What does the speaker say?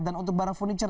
dan untuk barang furniture